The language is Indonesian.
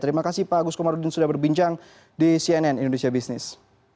terima kasih pak agus komarudin sudah berbincang di cnn indonesia business